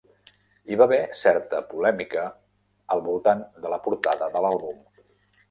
Hi va haver certa polèmica al voltant de la portada de l'àlbum.